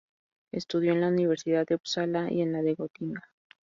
Estudió en la Universidad de Uppsala y en la de Gotinga.